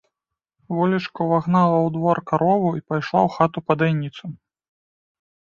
Волечка ўвагнала ў двор карову і пайшла ў хату па дайніцу.